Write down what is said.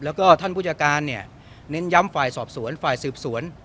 แล้วก็ท่านผู้จัดการเนี่ยเน้นย้ำฝ่ายสอบสวนฝ่ายสืบสวน